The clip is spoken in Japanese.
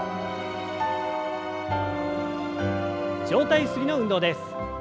上体ゆすりの運動です。